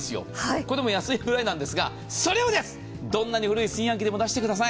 これでも安いぐらいなんですが、それを、どんなに古い炊飯器でも出してください。